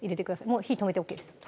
もう火止めてＯＫです